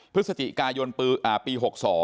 พฤศจิกายนปี๖๒